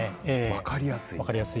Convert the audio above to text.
分かりやすい。